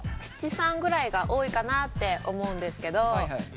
七三ぐらいが多いかなって思うんですけど。